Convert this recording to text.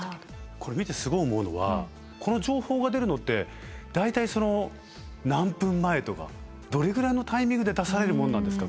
これ見てすごい思うのはこの情報が出るのって大体何分前とかどれぐらいのタイミングで出されるものなんですか？